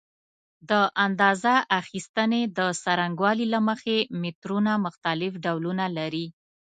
د اندازه اخیستنې د څرنګوالي له مخې مترونه مختلف ډولونه لري.